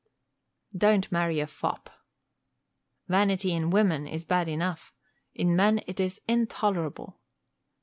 Don't marry a fop. Vanity in a woman is bad enough, in men it is intolerable!